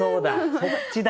そっちだ。